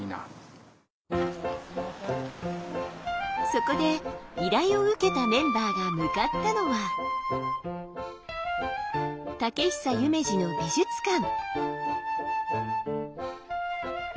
そこで依頼を受けたメンバーが向かったのは竹久夢二の美術館。